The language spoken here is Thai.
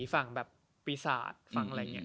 ฝั่งแบบปีศาจฝั่งอะไรอย่างนี้